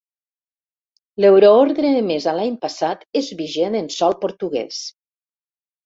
L'euroordre emesa l'any passat és vigent en sòl portuguès.